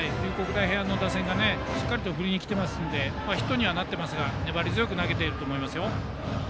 大平安の打線がしっかりと振りに来ていますのでヒットにはなっていますが粘り強く投げていると思います。